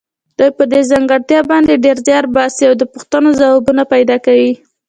دوی په دې ځانګړتیا باندې ډېر زیار باسي او د پوښتنو ځوابونه پیدا کوي.